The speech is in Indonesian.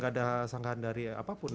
gak ada sangkaan dari apapun